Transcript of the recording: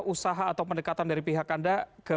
usaha atau pendekatan dari pihak anda ke